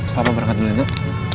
papa berangkat dulu nek